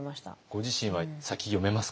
ご自身は先読めますか？